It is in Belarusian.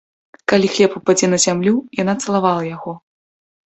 Калі хлеб упадзе на зямлю, яна цалавала яго.